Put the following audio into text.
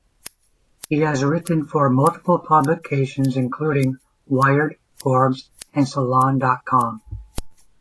He has written for multiple publications including "Wired", "Forbes", and Salon dot com.